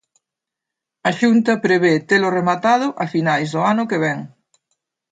A Xunta prevé telo rematado a finais do ano que vén.